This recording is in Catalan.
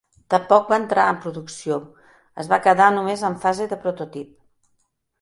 Tampoc va entrar en producció, es va quedar només en fase de prototip.